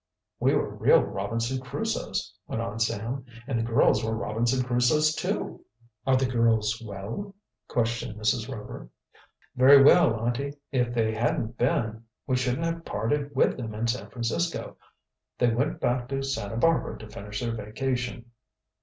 "We were real Robinson Crusoes," went on Sam. "And the girls were Robinson Crusoes, too." "Are the girls well?" questioned Mrs. Rover. "Very well, auntie. If they hadn't been we shouldn't have parted with them in San Francisco. They went back to Santa Barbara to finish their vacation."